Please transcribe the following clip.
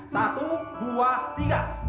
satu dua tiga